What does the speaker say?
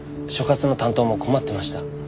所轄の担当も困ってました。